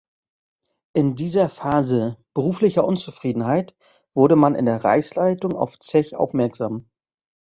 In dieser Phase beruflicher Unzufriedenheit wurde man in der Reichsleitung auf Zech aufmerksam.